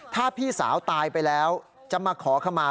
ถ้าพี่สาวตายไปแล้วจะมาขอขมา